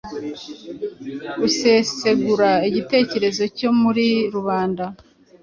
Gusesengura igitekerezo cyo muri rubanda